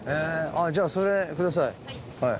あっじゃあそれください。